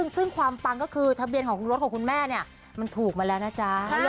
ซึ่งความปังก็คือทะเบียนของรถของคุณแม่เนี่ยมันถูกมาแล้วนะจ๊ะ